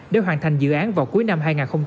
để hoàn thành dự án vào cuối năm hai nghìn hai mươi